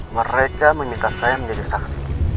mereka meminta saya menjadi saksi